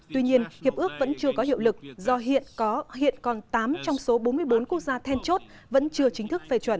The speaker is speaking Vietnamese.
tuy nhiên hiệp ước vẫn chưa có hiệu lực do hiện còn tám trong số bốn mươi bốn quốc gia then chốt vẫn chưa chính thức phê chuẩn